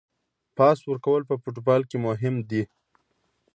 پاس ورکول په فوټبال کې مهم دي.